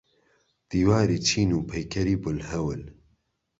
دیواری چین و پەیکەری بولهەول.